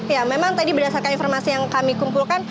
ya memang tadi berdasarkan informasi yang kami kumpulkan